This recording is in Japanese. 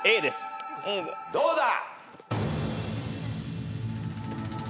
どうだ！